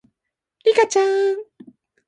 リカちゃん